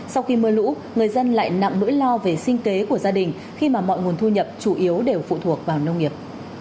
sau khi mưa lũ người dân lại nặng nỗi lo về sinh kế của gia đình khi mà mọi nguồn thu nhập chủ yếu đều phụ thuộc vào nông nghiệp